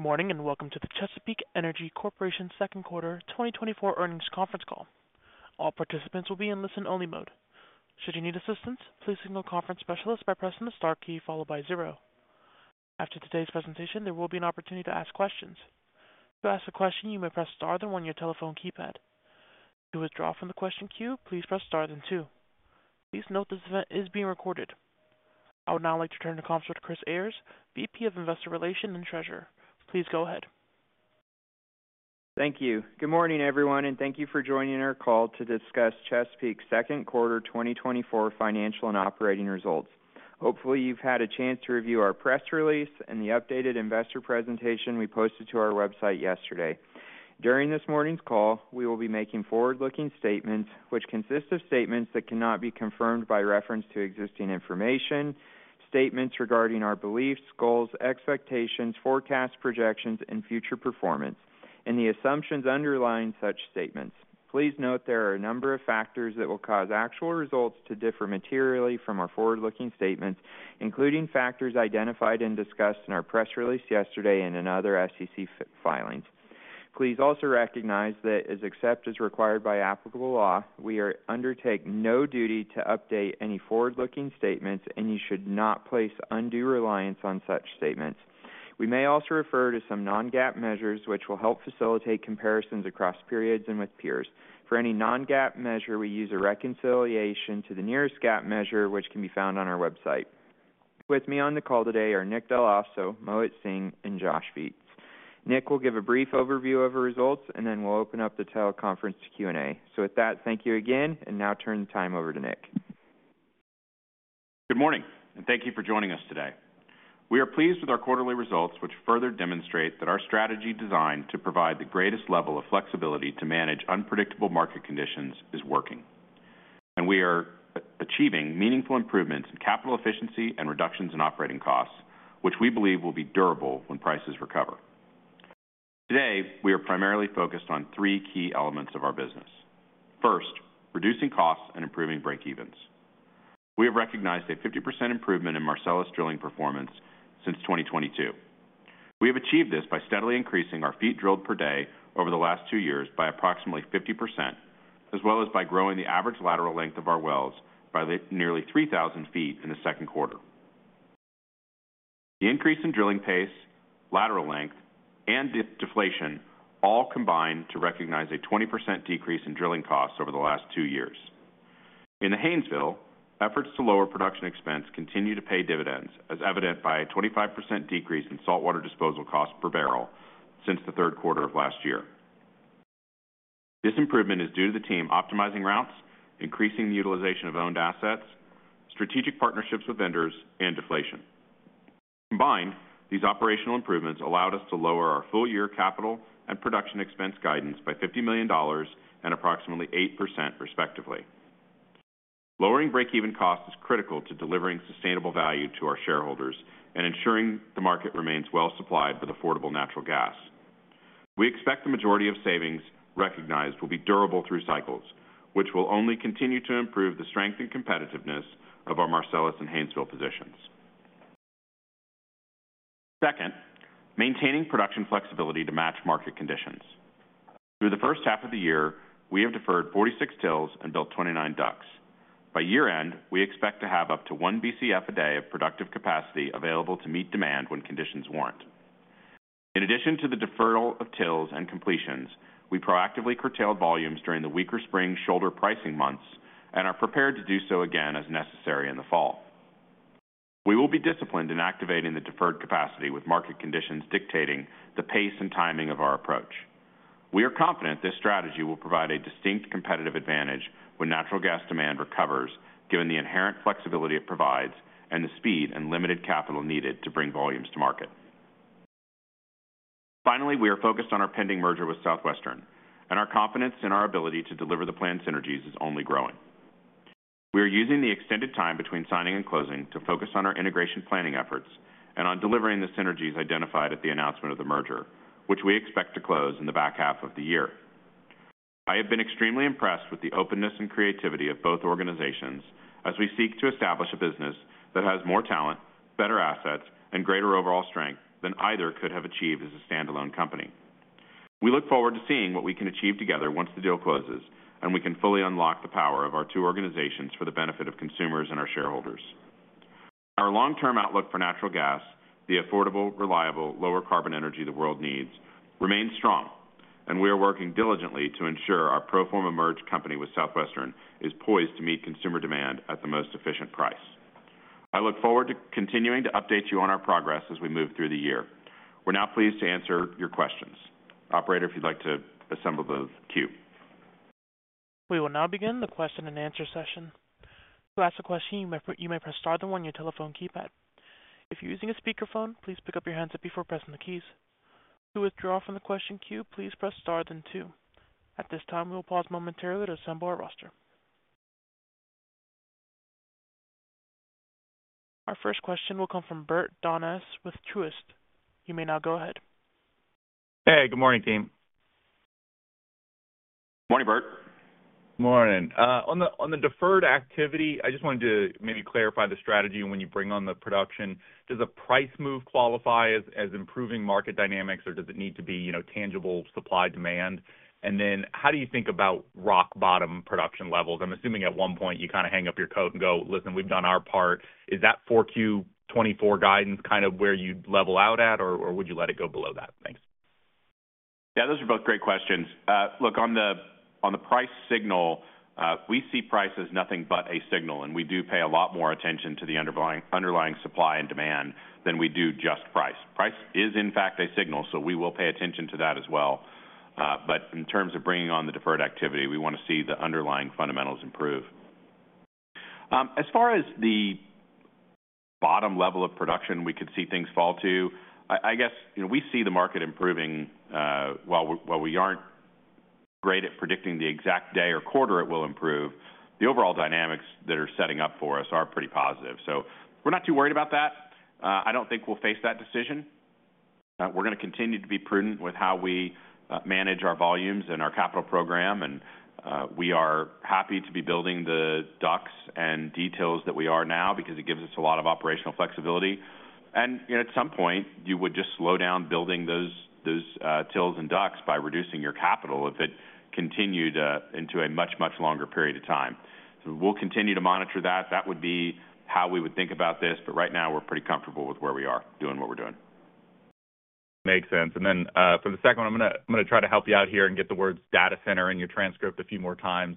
Good morning and welcome to the Chesapeake Energy Corporation Second Quarter 2024 earnings conference call. All participants will be in listen-only mode. Should you need assistance, please signal Conference Specialist by pressing the star key followed by zero. After today's presentation, there will be an opportunity to ask questions. To ask a question, you may press star then one on your telephone keypad. To withdraw from the question queue, please press star then two. Please note this event is being recorded. I would now like to turn the conference to Chris Ayres, VP of Investor Relations and Treasurer. Please go ahead. Thank you. Good morning, everyone, and thank you for joining our call to discuss Chesapeake Second Quarter 2024 financial and operating results. Hopefully, you've had a chance to review our press release and the updated investor presentation we posted to our website yesterday. During this morning's call, we will be making forward-looking statements, which consist of statements that cannot be confirmed by reference to existing information, statements regarding our beliefs, goals, expectations, forecasts, projections, and future performance, and the assumptions underlying such statements. Please note there are a number of factors that will cause actual results to differ materially from our forward-looking statements, including factors identified and discussed in our press release yesterday and in other SEC filings. Please also recognize that, except as required by applicable law, we undertake no duty to update any forward-looking statements, and you should not place undue reliance on such statements. We may also refer to some non-GAAP measures, which will help facilitate comparisons across periods and with peers. For any non-GAAP measure, we use a reconciliation to the nearest GAAP measure, which can be found on our website. With me on the call today are Nick Dell'Osso, Mohit Singh, and Josh Viets. Nick will give a brief overview of our results, and then we'll open up the teleconference to Q&A. So with that, thank you again, and now turn the time over to Nick. Good morning, and thank you for joining us today. We are pleased with our quarterly results, which further demonstrate that our strategy designed to provide the greatest level of flexibility to manage unpredictable market conditions is working, and we are achieving meaningful improvements in capital efficiency and reductions in operating costs, which we believe will be durable when prices recover. Today, we are primarily focused on three key elements of our business. First, reducing costs and improving breakevens. We have recognized a 50% improvement in Marcellus drilling performance since 2022. We have achieved this by steadily increasing our feet drilled per day over the last two years by approximately 50%, as well as by growing the average lateral length of our wells by nearly 3,000 ft in the second quarter. The increase in drilling pace, lateral length, and deflation all combine to recognize a 20% decrease in drilling costs over the last 2 years. In the Haynesville, efforts to lower production expense continue to pay dividends, as evident by a 25% decrease in saltwater disposal costs per barrel since the third quarter of last year. This improvement is due to the team optimizing routes, increasing the utilization of owned assets, strategic partnerships with vendors, and deflation. Combined, these operational improvements allowed us to lower our full-year capital and production expense guidance by $50 million and approximately 8%, respectively. Lowering breakeven costs is critical to delivering sustainable value to our shareholders and ensuring the market remains well-supplied with affordable natural gas. We expect the majority of savings recognized will be durable through cycles, which will only continue to improve the strength and competitiveness of our Marcellus and Haynesville positions. Second, maintaining production flexibility to match market conditions. Through the first half of the year, we have deferred 46 TILs and built 29 DUCs. By year-end, we expect to have up to 1 Bcf a day of productive capacity available to meet demand when conditions warrant. In addition to the deferral of TILs and completions, we proactively curtailed volumes during the weaker spring shoulder pricing months and are prepared to do so again as necessary in the fall. We will be disciplined in activating the deferred capacity with market conditions dictating the pace and timing of our approach. We are confident this strategy will provide a distinct competitive advantage when natural gas demand recovers, given the inherent flexibility it provides and the speed and limited capital needed to bring volumes to market. Finally, we are focused on our pending merger with Southwestern, and our confidence in our ability to deliver the planned synergies is only growing. We are using the extended time between signing and closing to focus on our integration planning efforts and on delivering the synergies identified at the announcement of the merger, which we expect to close in the back half of the year. I have been extremely impressed with the openness and creativity of both organizations as we seek to establish a business that has more talent, better assets, and greater overall strength than either could have achieved as a standalone company. We look forward to seeing what we can achieve together once the deal closes, and we can fully unlock the power of our two organizations for the benefit of consumers and our shareholders. Our long-term outlook for natural gas, the affordable, reliable, lower-carbon energy the world needs, remains strong, and we are working diligently to ensure our pro forma merged company with Southwestern is poised to meet consumer demand at the most efficient price. I look forward to continuing to update you on our progress as we move through the year. We're now pleased to answer your questions. Operator, if you'd like to assemble the queue. We will now begin the question-and-answer session. To ask a question, you may press star then one on your telephone keypad. If you're using a speakerphone, please pick up your hands up before pressing the keys. To withdraw from the question queue, please press star then two. At this time, we will pause momentarily to assemble our roster. Our first question will come from Bert Donnes with Truist. You may now go ahead. Hey, good morning, team. Morning, Bert. Morning. On the deferred activity, I just wanted to maybe clarify the strategy when you bring on the production. Does the price move qualify as improving market dynamics, or does it need to be tangible supply demand? And then how do you think about rock bottom production levels? I'm assuming at one point you kind of hang up your coat and go, "Listen, we've done our part." Is that 4Q 2024 guidance kind of where you'd level out at, or would you let it go below that? Thanks. Yeah, those are both great questions. Look, on the price signal, we see price as nothing but a signal, and we do pay a lot more attention to the underlying supply and demand than we do just price. Price is, in fact, a signal, so we will pay attention to that as well. But in terms of bringing on the deferred activity, we want to see the underlying fundamentals improve. As far as the bottom level of production we could see things fall to, I guess we see the market improving. While we aren't great at predicting the exact day or quarter it will improve, the overall dynamics that are setting up for us are pretty positive. So we're not too worried about that. I don't think we'll face that decision. We're going to continue to be prudent with how we manage our volumes and our capital program, and we are happy to be building the DUCs and TILs that we are now because it gives us a lot of operational flexibility. At some point, you would just slow down building those TILs and DUCs by reducing your capital if it continued into a much, much longer period of time. We'll continue to monitor that. That would be how we would think about this, but right now, we're pretty comfortable with where we are doing what we're doing. Makes sense. And then for the second one, I'm going to try to help you out here and get the words "data center" in your transcript a few more times.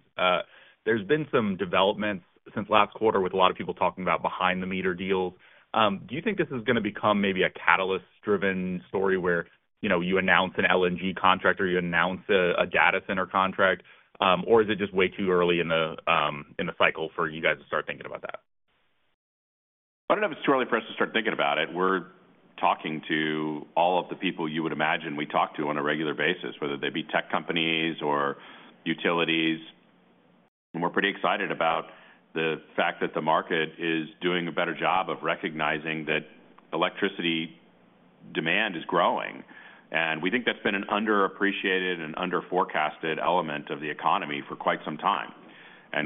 There's been some developments since last quarter with a lot of people talking about behind-the-meter deals. Do you think this is going to become maybe a catalyst-driven story where you announce an LNG contract or you announce a data center contract, or is it just way too early in the cycle for you guys to start thinking about that? I don't know if it's too early for us to start thinking about it. We're talking to all of the people you would imagine we talk to on a regular basis, whether they be tech companies or utilities. We're pretty excited about the fact that the market is doing a better job of recognizing that electricity demand is growing. We think that's been an underappreciated and under-forecasted element of the economy for quite some time.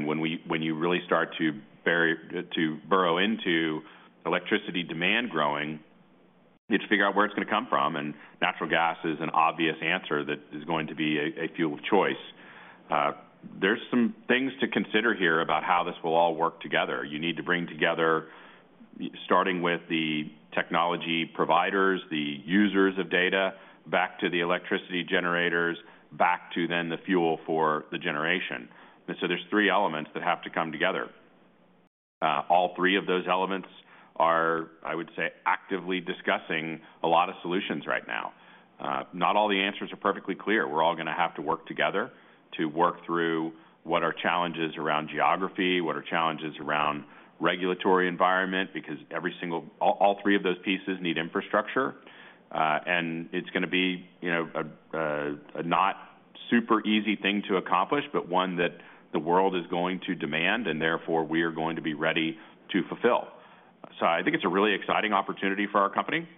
When you really start to burrow into electricity demand growing, you have to figure out where it's going to come from, and natural gas is an obvious answer that is going to be a fuel of choice. There's some things to consider here about how this will all work together. You need to bring together, starting with the technology providers, the users of data, back to the electricity generators, back to then the fuel for the generation. And so there's three elements that have to come together. All three of those elements are, I would say, actively discussing a lot of solutions right now. Not all the answers are perfectly clear. We're all going to have to work together to work through what our challenges around geography, what our challenges around regulatory environment, because all three of those pieces need infrastructure. And it's going to be a not super easy thing to accomplish, but one that the world is going to demand, and therefore, we are going to be ready to fulfill. So I think it's a really exciting opportunity for our company.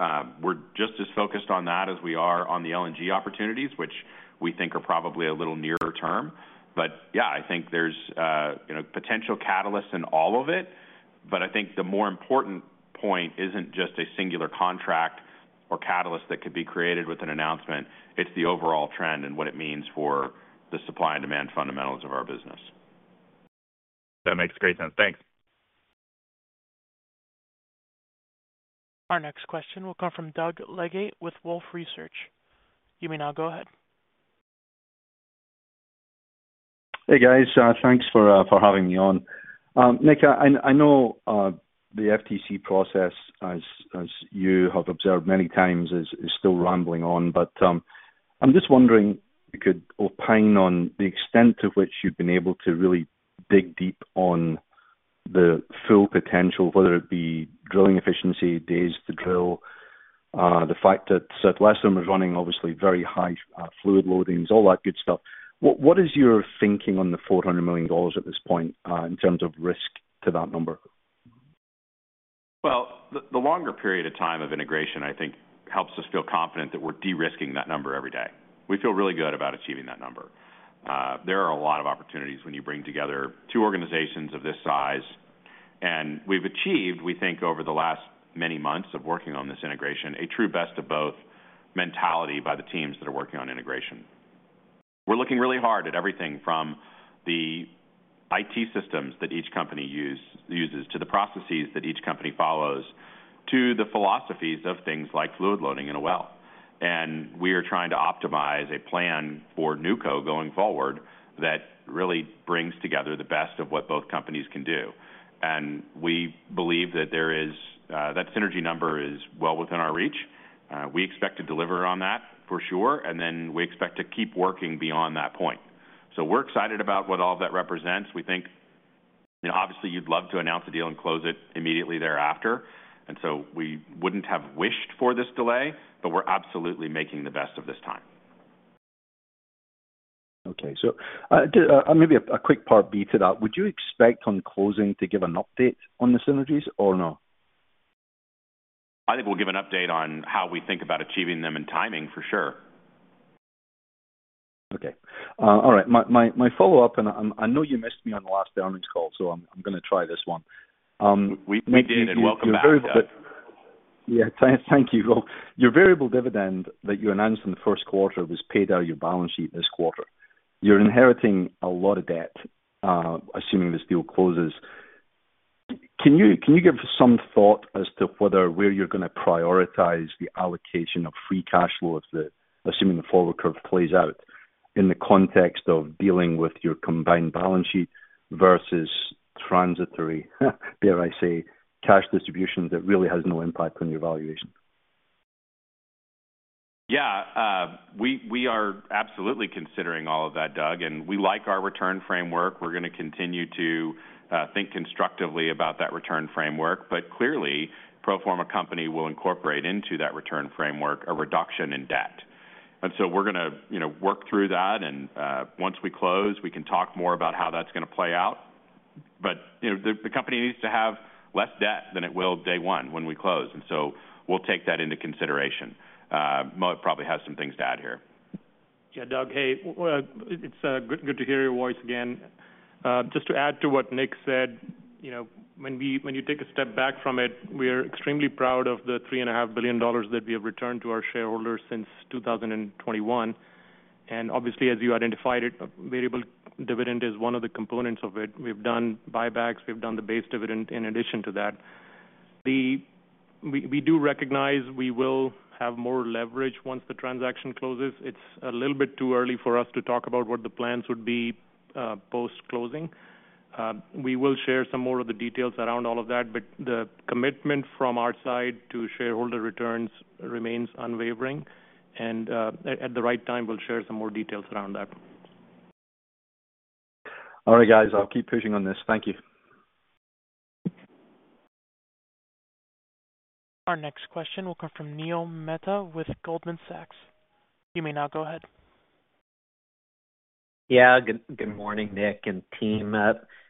We're just as focused on that as we are on the LNG opportunities, which we think are probably a little nearer term. But yeah, I think there's potential catalysts in all of it, but I think the more important point isn't just a singular contract or catalyst that could be created with an announcement. It's the overall trend and what it means for the supply and demand fundamentals of our business. That makes great sense. Thanks. Our next question will come from Doug Leggate with Wolfe Research. You may now go ahead. Hey, guys. Thanks for having me on. Nick, I know the FTC process, as you have observed many times, is still rambling on, but I'm just wondering if you could opine on the extent to which you've been able to really dig deep on the full potential, whether it be drilling efficiency, days to drill, the fact that Southwestern was running, obviously, very high fluid loadings, all that good stuff. What is your thinking on the $400 million at this point in terms of risk to that number? Well, the longer period of time of integration, I think, helps us feel confident that we're de-risking that number every day. We feel really good about achieving that number. There are a lot of opportunities when you bring together two organizations of this size, and we've achieved, we think, over the last many months of working on this integration, a true best of both mentality by the teams that are working on integration. We're looking really hard at everything from the IT systems that each company uses to the processes that each company follows to the philosophies of things like fluid loading in a well. And we are trying to optimize a plan for NewCo going forward that really brings together the best of what both companies can do. And we believe that that synergy number is well within our reach. We expect to deliver on that, for sure, and then we expect to keep working beyond that point. So we're excited about what all of that represents. We think, obviously, you'd love to announce a deal and close it immediately thereafter, and so we wouldn't have wished for this delay, but we're absolutely making the best of this time. Okay. So maybe a quick part B to that. Would you expect, on closing, to give an update on the synergies or no? I think we'll give an update on how we think about achieving them and timing, for sure. Okay. All right. My follow-up, and I know you missed me on the last earnings call, so I'm going to try this one. We did, and welcome back. Yeah. Thank you. Your variable dividend that you announced in the first quarter was paid out of your balance sheet this quarter. You're inheriting a lot of debt, assuming this deal closes. Can you give some thought as to whether where you're going to prioritize the allocation of free cash flows, assuming the forward curve plays out in the context of dealing with your combined balance sheet versus transitory, dare I say, cash distribution that really has no impact on your valuation? Yeah. We are absolutely considering all of that, Doug, and we like our return framework. We're going to continue to think constructively about that return framework, but clearly, pro forma company will incorporate into that return framework a reduction in debt. And so we're going to work through that, and once we close, we can talk more about how that's going to play out. But the company needs to have less debt than it will day one when we close, and so we'll take that into consideration. Mo probably has some things to add here. Yeah, Doug, hey, it's good to hear your voice again. Just to add to what Nick said, when you take a step back from it, we are extremely proud of the $3.5 billion that we have returned to our shareholders since 2021. And obviously, as you identified, variable dividend is one of the components of it. We've done buybacks. We've done the base dividend in addition to that. We do recognize we will have more leverage once the transaction closes. It's a little bit too early for us to talk about what the plans would be post-closing. We will share some more of the details around all of that, but the commitment from our side to shareholder returns remains unwavering, and at the right time, we'll share some more details around that. All right, guys. I'll keep pushing on this. Thank you. Our next question will come from Neil Mehta with Goldman Sachs. You may now go ahead. Yeah. Good morning, Nick and team.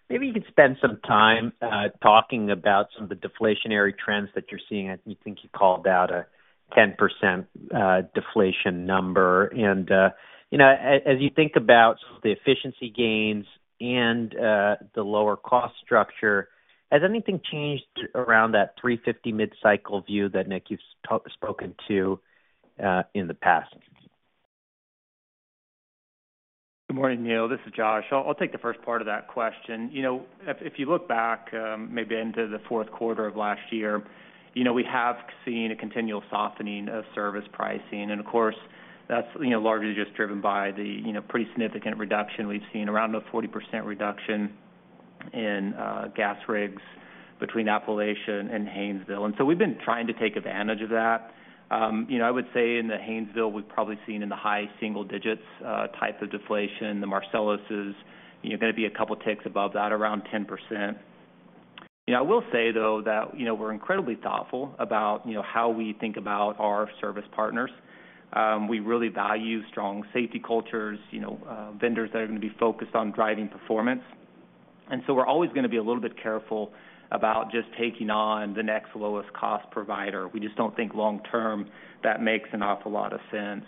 Maybe you could spend some time talking about some of the deflationary trends that you're seeing. I think you called out a 10% deflation number. As you think about the efficiency gains and the lower cost structure, has anything changed around that $3.50 mid-cycle view that Nick, you've spoken to in the past? Good morning, Neil. This is Josh. I'll take the first part of that question. If you look back maybe into the fourth quarter of last year, we have seen a continual softening of service pricing, and of course, that's largely just driven by the pretty significant reduction we've seen, around a 40% reduction in gas rigs between Appalachia and Haynesville. And so we've been trying to take advantage of that. I would say in the Haynesville, we've probably seen in the high single-digits type of deflation. The Marcellus is going to be a couple of ticks above that, around 10%. I will say, though, that we're incredibly thoughtful about how we think about our service partners. We really value strong safety cultures, vendors that are going to be focused on driving performance. So we're always going to be a little bit careful about just taking on the next lowest cost provider. We just don't think long-term that makes an awful lot of sense.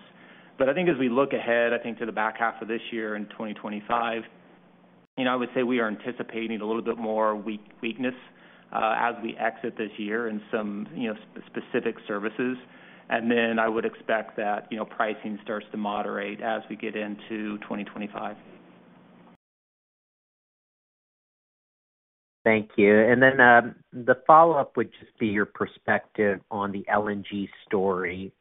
But I think as we look ahead, I think to the back half of this year in 2025, I would say we are anticipating a little bit more weakness as we exit this year in some specific services. And then I would expect that pricing starts to moderate as we get into 2025. Thank you. Then the follow-up would just be your perspective on the LNG story.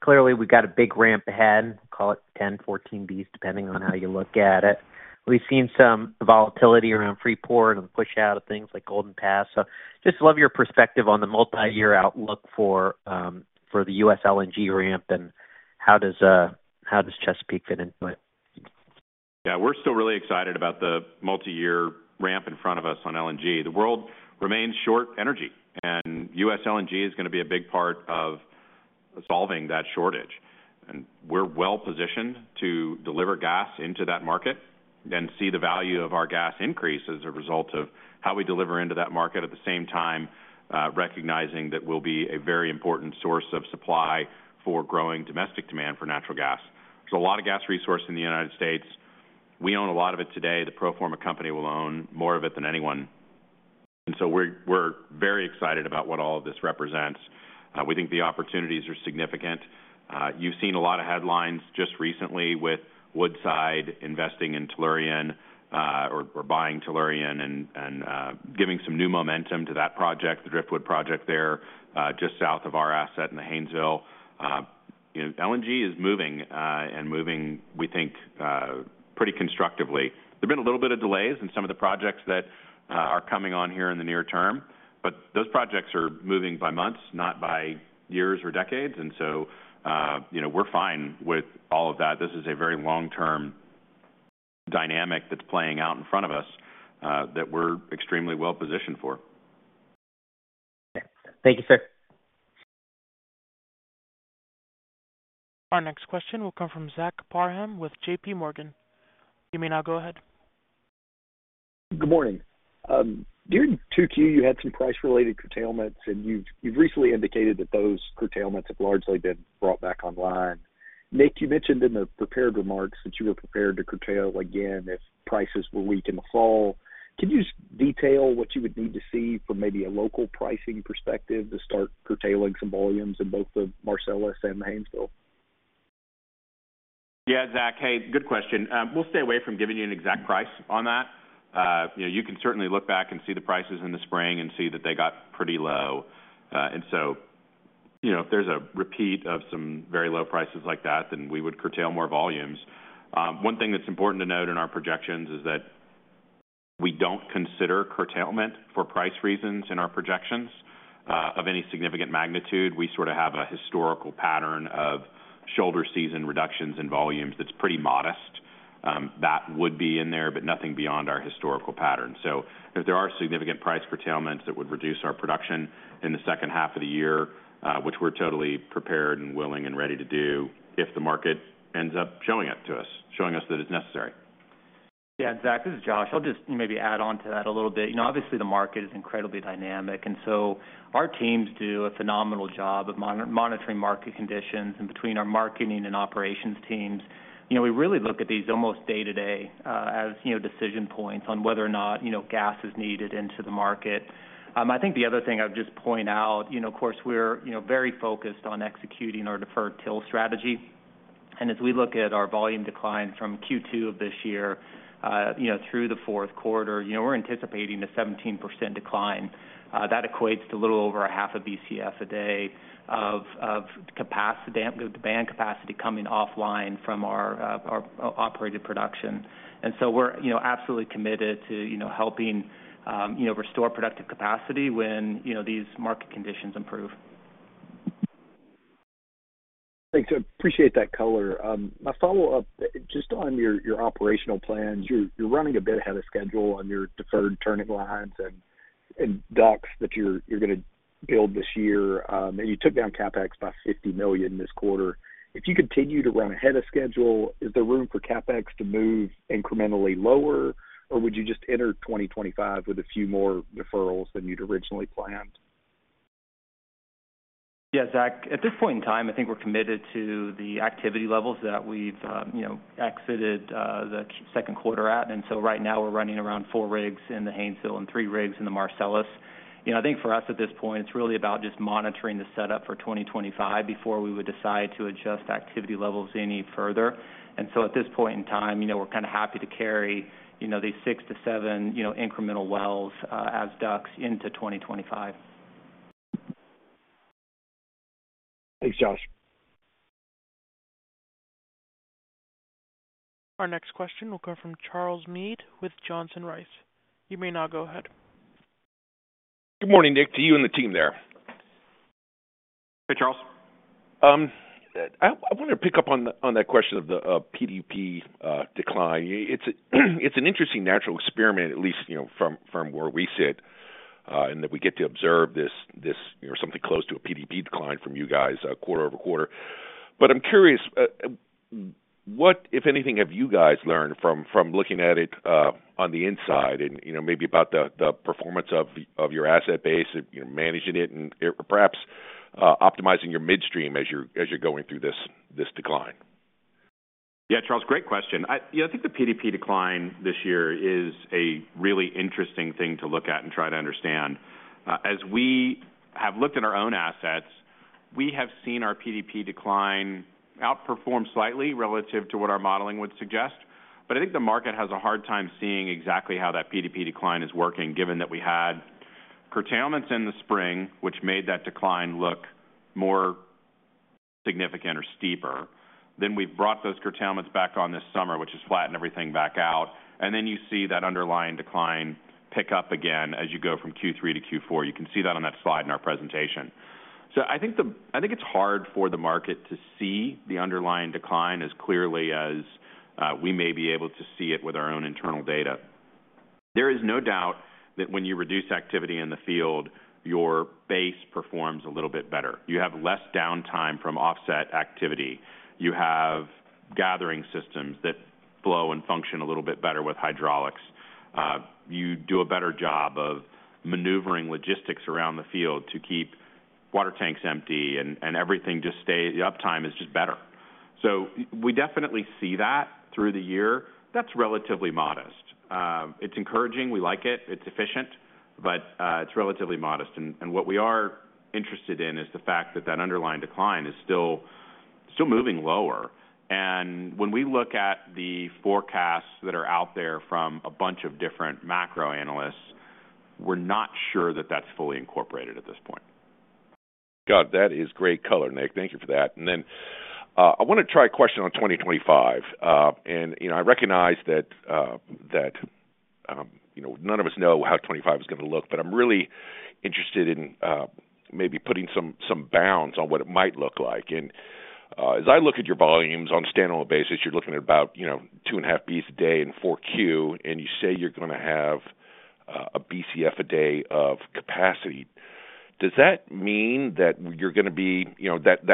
Clearly, we've got a big ramp ahead, call it 10-14 Bs, depending on how you look at it. We've seen some volatility around Freeport and the push out of things like Golden Pass. So just love your perspective on the multi-year outlook for the US LNG ramp and how does Chesapeake fit into it? Yeah. We're still really excited about the multi-year ramp in front of us on LNG. The world remains short energy, and US LNG is going to be a big part of solving that shortage. And we're well-positioned to deliver gas into that market and see the value of our gas increase as a result of how we deliver into that market, at the same time recognizing that we'll be a very important source of supply for growing domestic demand for natural gas. There's a lot of gas resource in the United States. We own a lot of it today. The pro forma company will own more of it than anyone. And so we're very excited about what all of this represents. We think the opportunities are significant. You've seen a lot of headlines just recently with Woodside investing in Tellurian or buying Tellurian and giving some new momentum to that project, the Driftwood project there just south of our asset in the Haynesville. LNG is moving and moving, we think, pretty constructively. There've been a little bit of delays in some of the projects that are coming on here in the near term, but those projects are moving by months, not by years or decades, and so we're fine with all of that. This is a very long-term dynamic that's playing out in front of us that we're extremely well-positioned for. Okay. Thank you, sir. Our next question will come from Zach Parham with JPMorgan. You may now go ahead. Good morning. During 2Q, you had some price-related curtailments, and you've recently indicated that those curtailments have largely been brought back online. Nick, you mentioned in the prepared remarks that you were prepared to curtail again if prices were weak in the fall. Can you detail what you would need to see from maybe a local pricing perspective to start curtailing some volumes in both the Marcellus and the Haynesville? Yeah, Zach, hey, good question. We'll stay away from giving you an exact price on that. You can certainly look back and see the prices in the spring and see that they got pretty low. And so if there's a repeat of some very low prices like that, then we would curtail more volumes. One thing that's important to note in our projections is that we don't consider curtailment for price reasons in our projections of any significant magnitude. We sort of have a historical pattern of shoulder season reductions in volumes that's pretty modest. That would be in there, but nothing beyond our historical pattern. So if there are significant price curtailments that would reduce our production in the second half of the year, which we're totally prepared and willing and ready to do if the market ends up showing it to us, showing us that it's necessary. Yeah. And Zach, this is Josh. I'll just maybe add on to that a little bit. Obviously, the market is incredibly dynamic, and so our teams do a phenomenal job of monitoring market conditions. And between our marketing and operations teams, we really look at these almost day-to-day as decision points on whether or not gas is needed into the market. I think the other thing I would just point out, of course, we're very focused on executing our deferred TIL strategy. And as we look at our volume decline from Q2 of this year through the fourth quarter, we're anticipating a 17% decline. That equates to a little over 0.5 Bcf a day of demand capacity coming offline from our operated production. And so we're absolutely committed to helping restore productive capacity when these market conditions improve. Thanks. I appreciate that color. My follow-up just on your operational plans. You're running a bit ahead of schedule on your deferred turning lines and DUCs that you're going to build this year, and you took down CapEx by $50 million this quarter. If you continue to run ahead of schedule, is there room for CapEx to move incrementally lower, or would you just enter 2025 with a few more deferrals than you'd originally planned? Yeah, Zach, at this point in time, I think we're committed to the activity levels that we've exited the second quarter at. And so right now, we're running around 4 rigs in the Haynesville and 3 rigs in the Marcellus. I think for us at this point, it's really about just monitoring the setup for 2025 before we would decide to adjust activity levels any further. And so at this point in time, we're kind of happy to carry these 6-7 incremental wells as DUCs into 2025. Thanks, Josh. Our next question will come from Charles Meade with Johnson Rice. You may now go ahead. Good morning, Nick, to you and the team there. Hey, Charles. I want to pick up on that question of the PDP decline. It's an interesting natural experiment, at least from where we sit, and that we get to observe this or something close to a PDP decline from you guys quarter-over-quarter. I'm curious, what, if anything, have you guys learned from looking at it on the inside and maybe about the performance of your asset base and managing it and perhaps optimizing your midstream as you're going through this decline? Yeah, Charles, great question. I think the PDP decline this year is a really interesting thing to look at and try to understand. As we have looked at our own assets, we have seen our PDP decline outperform slightly relative to what our modeling would suggest. But I think the market has a hard time seeing exactly how that PDP decline is working, given that we had curtailments in the spring, which made that decline look more significant or steeper. Then we've brought those curtailments back on this summer, which has flattened everything back out. And then you see that underlying decline pick up again as you go from Q3 to Q4. You can see that on that slide in our presentation. So I think it's hard for the market to see the underlying decline as clearly as we may be able to see it with our own internal data. There is no doubt that when you reduce activity in the field, your base performs a little bit better. You have less downtime from offset activity. You have gathering systems that flow and function a little bit better with hydraulics. You do a better job of maneuvering logistics around the field to keep water tanks empty, and everything just stays up. Time is just better. So we definitely see that through the year. That's relatively modest. It's encouraging. We like it. It's efficient, but it's relatively modest. And what we are interested in is the fact that that underlying decline is still moving lower. And when we look at the forecasts that are out there from a bunch of different macro analysts, we're not sure that that's fully incorporated at this point. God, that is great color, Nick. Thank you for that. Then I want to try a question on 2025. I recognize that none of us know how 2025 is going to look, but I'm really interested in maybe putting some bounds on what it might look like. As I look at your volumes on a standalone basis, you're looking at about 2.5 Bcf a day in 4Q, and you say you're going to have 1 Bcf a day of capacity. Does that mean that you're going to be at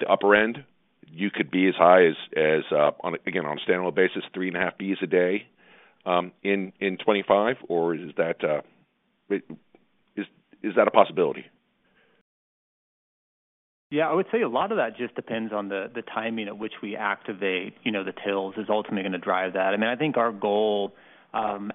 the upper end? You could be as high as, again, on a standalone basis, 3.5 Bcf a day in 2025, or is that a possibility? Yeah. I would say a lot of that just depends on the timing at which we activate the TILs is ultimately going to drive that. I mean, I think our goal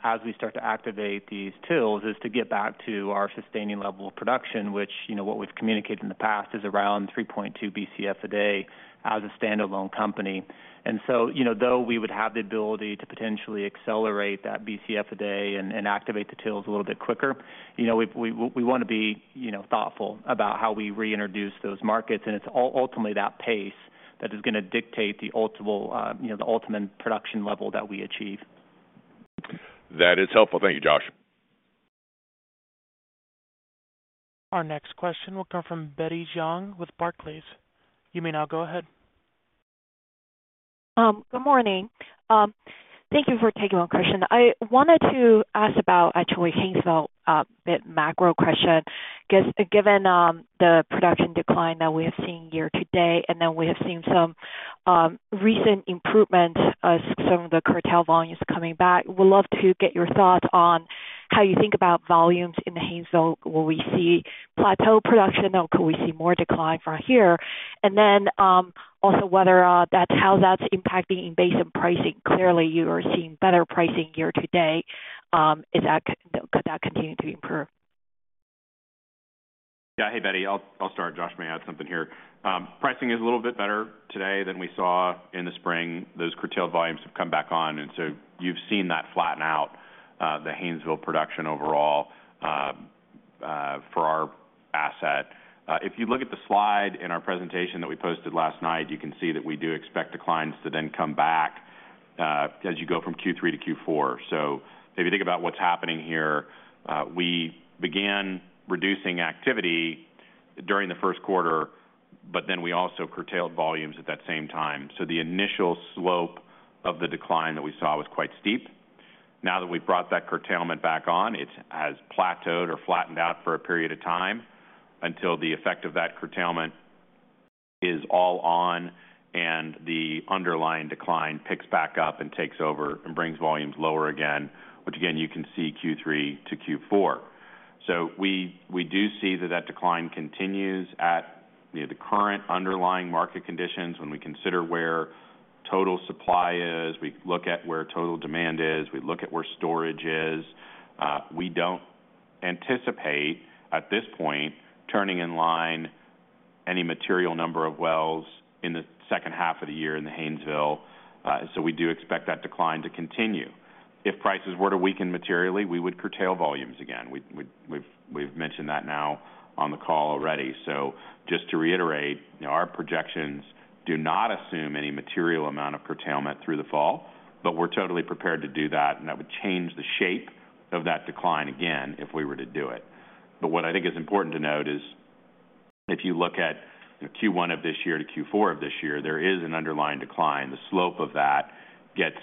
as we start to activate these TILs is to get back to our sustaining level of production, which what we've communicated in the past is around 3.2 Bcf a day as a standalone company. And so though we would have the ability to potentially accelerate that Bcf a day and activate the TILs a little bit quicker, we want to be thoughtful about how we reintroduce those markets. And it's ultimately that pace that is going to dictate the ultimate production level that we achieve. That is helpful. Thank you, Josh. Our next question will come from Betty Jiang with Barclays. You may now go ahead. Good morning. Thank you for taking my question. I wanted to ask about actually Haynesville, a bit macro question. Given the production decline that we have seen year to date, and then we have seen some recent improvements as some of the curtailed volumes coming back, we'd love to get your thoughts on how you think about volumes in the Haynesville. Will we see plateau production, or could we see more decline from here? And then also whether that's how that's impacting the basis and pricing. Clearly, you are seeing better pricing year to date. Could that continue to improve? Yeah. Hey, Betty. I'll start. Josh may add something here. Pricing is a little bit better today than we saw in the spring. Those curtailed volumes have come back on, and so you've seen that flatten out, the Haynesville production overall for our asset. If you look at the slide in our presentation that we posted last night, you can see that we do expect declines to then come back as you go from Q3 to Q4. So if you think about what's happening here, we began reducing activity during the first quarter, but then we also curtailed volumes at that same time. So the initial slope of the decline that we saw was quite steep. Now that we've brought that curtailment back on, it has plateaued or flattened out for a period of time until the effect of that curtailment is all on and the underlying decline picks back up and takes over and brings volumes lower again, which again, you can see Q3 to Q4. So we do see that that decline continues at the current underlying market conditions when we consider where total supply is. We look at where total demand is. We look at where storage is. We don't anticipate at this point turning in line any material number of wells in the second half of the year in the Haynesville. And so we do expect that decline to continue. If prices were to weaken materially, we would curtail volumes again. We've mentioned that now on the call already. Just to reiterate, our projections do not assume any material amount of curtailment through the fall, but we're totally prepared to do that, and that would change the shape of that decline again if we were to do it. But what I think is important to note is if you look at Q1 of this year to Q4 of this year, there is an underlying decline. The slope of that gets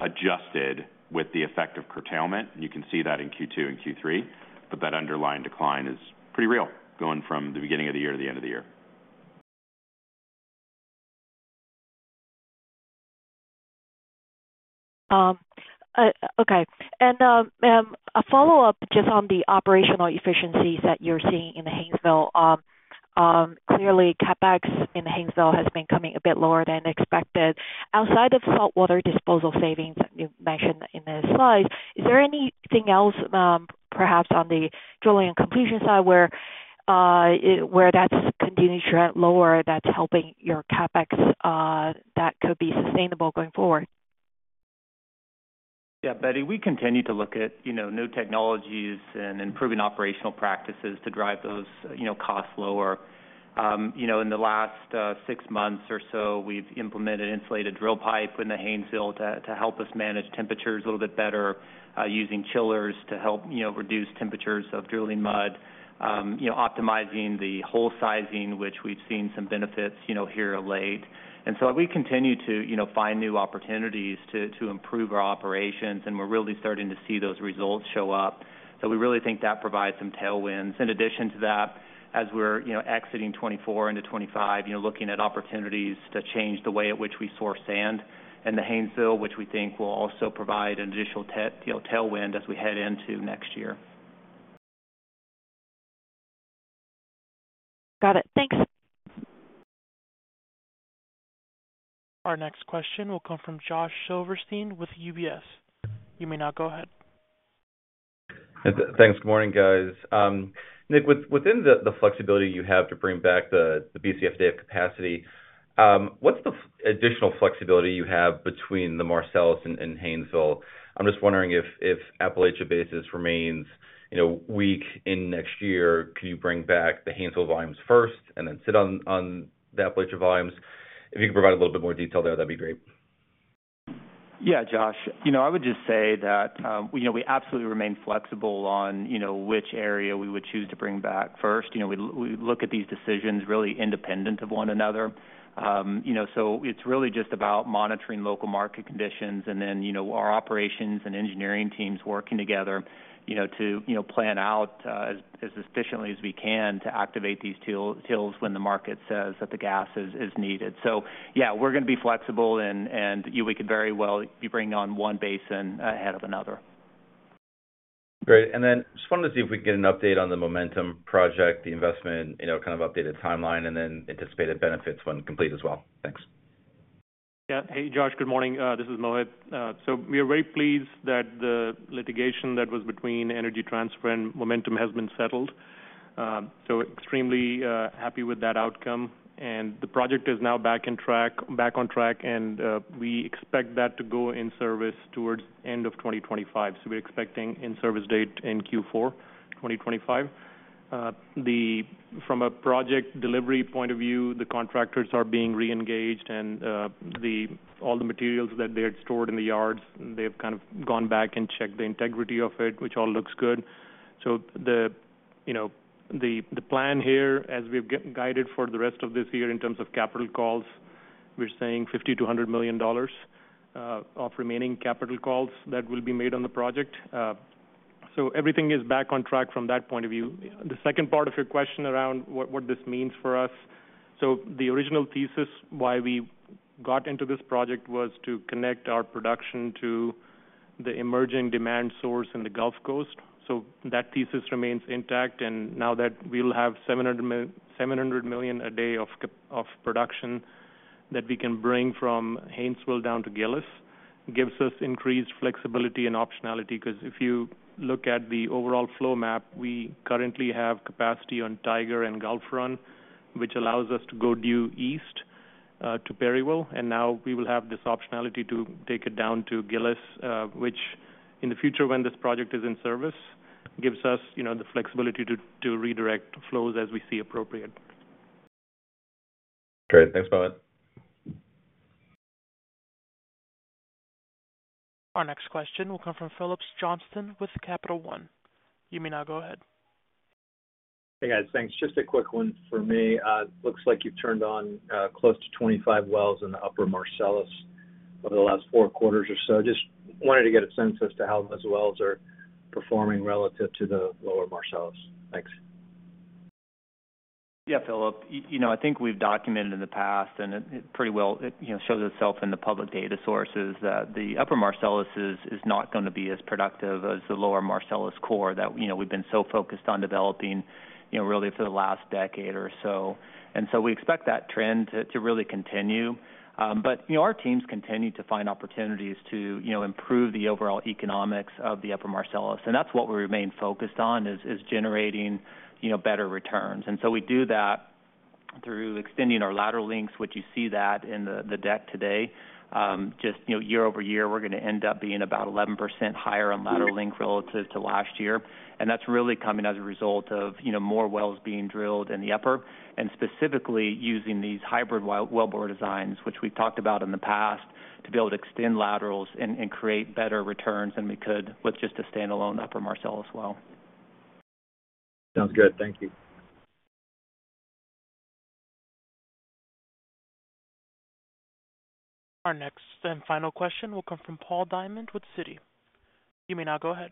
adjusted with the effect of curtailment. You can see that in Q2 and Q3, but that underlying decline is pretty real going from the beginning of the year to the end of the year. Okay. And a follow-up just on the operational efficiencies that you're seeing in the Haynesville. Clearly, CapEx in the Haynesville has been coming a bit lower than expected. Outside of saltwater disposal savings that you mentioned in the slide, is there anything else perhaps on the drilling and completion side where that's continued to trend lower that's helping your CapEx that could be sustainable going forward? Yeah, Betty, we continue to look at new technologies and improving operational practices to drive those costs lower. In the last six months or so, we've implemented insulated drill pipe in the Haynesville to help us manage temperatures a little bit better using chillers to help reduce temperatures of drilling mud, optimizing the hole sizing, which we've seen some benefits here late. And so we continue to find new opportunities to improve our operations, and we're really starting to see those results show up. So we really think that provides some tailwinds. In addition to that, as we're exiting 2024 into 2025, looking at opportunities to change the way at which we source sand in the Haynesville, which we think will also provide an additional tailwind as we head into next year. Got it. Thanks. Our next question will come from Josh Silverstein with UBS. You may now go ahead. Thanks. Good morning, guys. Nick, within the flexibility you have to bring back the Bcf a day of capacity, what's the additional flexibility you have between the Marcellus and Haynesville? I'm just wondering if Appalachia basis remains weak in next year. Can you bring back the Haynesville volumes first and then sit on the Appalachia volumes? If you could provide a little bit more detail there, that'd be great. Yeah, Josh. I would just say that we absolutely remain flexible on which area we would choose to bring back first. We look at these decisions really independent of one another. So it's really just about monitoring local market conditions and then our operations and engineering teams working together to plan out as efficiently as we can to activate these TILs when the market says that the gas is needed. So yeah, we're going to be flexible, and we could very well be bringing on one basin ahead of another. Great. Then just wanted to see if we could get an update on the Momentum project, the investment kind of updated timeline, and then anticipated benefits when complete as well. Thanks. Yeah. Hey, Josh. Good morning. This is Mohit. So we are very pleased that the litigation that was between Energy Transfer and Momentum Midstream has been settled. So extremely happy with that outcome. And the project is now back on track, and we expect that to go in service towards the end of 2025. So we're expecting in-service date in Q4 2025. From a project delivery point of view, the contractors are being re-engaged, and all the materials that they had stored in the yards, they have kind of gone back and checked the integrity of it, which all looks good. So the plan here, as we've guided for the rest of this year in terms of capital calls, we're saying $50-$100 million of remaining capital calls that will be made on the project. So everything is back on track from that point of view. The second part of your question around what this means for us, so the original thesis why we got into this project was to connect our production to the emerging demand source in the Gulf Coast. So that thesis remains intact. And now that we'll have 700 million a day of production that we can bring from Haynesville down to Gillis, gives us increased flexibility and optionality because if you look at the overall flow map, we currently have capacity on Tiger and Gulf Run, which allows us to go due east to Perryville. And now we will have this optionality to take it down to Gillis, which in the future, when this project is in service, gives us the flexibility to redirect flows as we see appropriate. Great. Thanks, Mohit. Our next question will come from Phillips Johnston with Capital One. You may now go ahead. Hey, guys. Thanks. Just a quick one for me. It looks like you've turned on close to 25 wells in the upper Marcellus over the last four quarters or so. Just wanted to get a sense as to how those wells are performing relative to the lower Marcellus. Thanks. Yeah, Philip, I think we've documented in the past, and it pretty well shows itself in the public data sources that the upper Marcellus is not going to be as productive as the lower Marcellus core that we've been so focused on developing really for the last decade or so. And so we expect that trend to really continue. But our teams continue to find opportunities to improve the overall economics of the upper Marcellus. And that's what we remain focused on is generating better returns. And so we do that through extending our lateral lengths, which you see that in the deck today. Just year-over-year, we're going to end up being about 11% higher on lateral length relative to last year. That's really coming as a result of more wells being drilled in the upper and specifically using these hybrid wellbore designs, which we've talked about in the past to be able to extend laterals and create better returns than we could with just a standalone upper Marcellus well. Sounds good. Thank you. Our next and final question will come from Paul Diamond with Citi. You may now go ahead.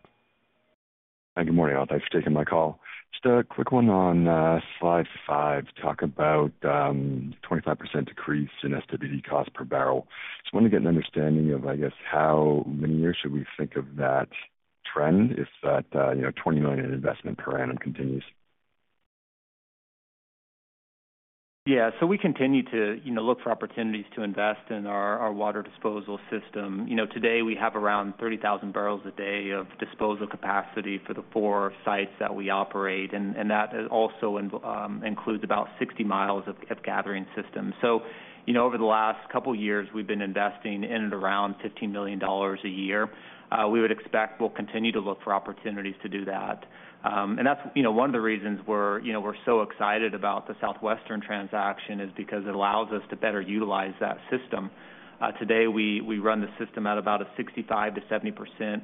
Hi, good morning, all. Thanks for taking my call. Just a quick one on slide 5 to talk about 25% decrease in SWD cost per barrel. Just wanted to get an understanding of, I guess, how many years should we think of that trend if that $20 million investment per annum continues? Yeah. So we continue to look for opportunities to invest in our water disposal system. Today, we have around 30,000 barrels a day of disposal capacity for the four sites that we operate. And that also includes about 60 mi of gathering systems. So over the last couple of years, we've been investing in and around $15 million a year. We would expect we'll continue to look for opportunities to do that. And that's one of the reasons we're so excited about the Southwestern transaction is because it allows us to better utilize that system. Today, we run the system at about a 65%-70%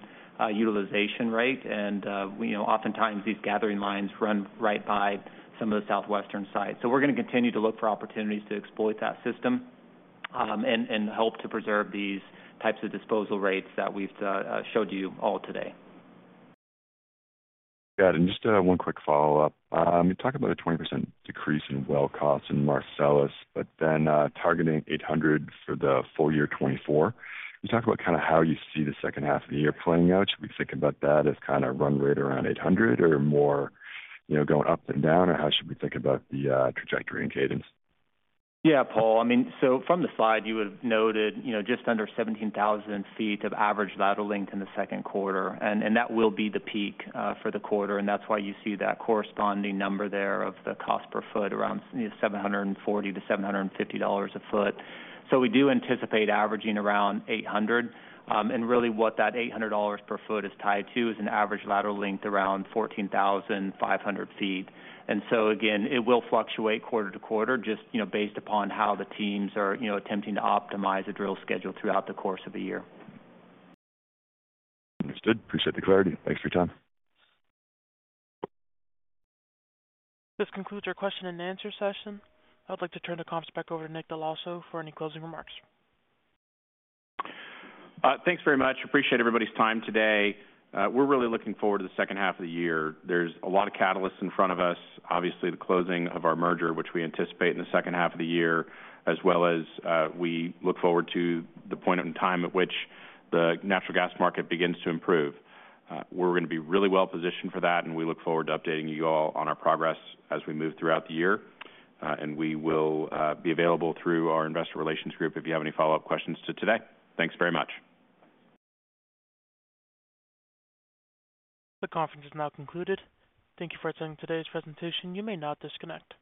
utilization rate. And oftentimes, these gathering lines run right by some of the Southwestern sites. So we're going to continue to look for opportunities to exploit that system and help to preserve these types of disposal rates that we've showed you all today. Got it. And just one quick follow-up. You talked about a 20% decrease in well cost in Marcellus, but then targeting $800 for the full year 2024. You talked about kind of how you see the second half of the year playing out. Should we think about that as kind of run rate around $800 or more going up and down? Or how should we think about the trajectory and cadence? Yeah, Paul. I mean, so from the slide, you would have noted just under 17,000 ft of average lateral length in the second quarter. That will be the peak for the quarter. That's why you see that corresponding number there of the cost per foot around $740-$750 a foot. We do anticipate averaging around $800. Really, what that $800 per foot is tied to is an average lateral length around 14,500 ft. So again, it will fluctuate quarter to quarter just based upon how the teams are attempting to optimize the drill schedule throughout the course of the year. Understood. Appreciate the clarity. Thanks for your time. This concludes our question-and-answer session. I would like to turn the conference back over to Nick Dell'Osso for any closing remarks. Thanks very much. Appreciate everybody's time today. We're really looking forward to the second half of the year. There's a lot of catalysts in front of us. Obviously, the closing of our merger, which we anticipate in the second half of the year, as well as we look forward to the point in time at which the natural gas market begins to improve. We're going to be really well positioned for that, and we look forward to updating you all on our progress as we move throughout the year. We will be available through our investor relations group if you have any follow-up questions to today. Thanks very much. The conference is now concluded. Thank you for attending today's presentation. You may now disconnect.